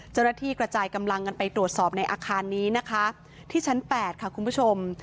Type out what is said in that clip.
เจ้าหน้าที่กระจายกำลังกันไปตรวจสอบในอาคารนี้นะคะที่ชั้น๘ค่ะคุณผู้ชม